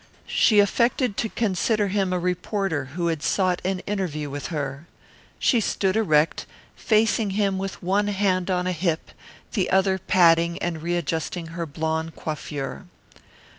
She affected to consider him a reporter who had sought an interview with her. She stood erect, facing him with one hand on a hip, the other patting and readjusting her blonde coiffure.